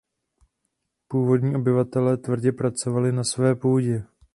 Původní obyvatelé tvrdě pracovali na své půdě.